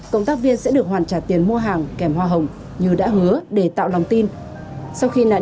cộng tác viên sẽ được hoàn trả tiền mua hàng kèm hoa hồng như đã hứa để tạo lòng tin sau khi nạn